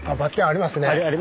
ありますよね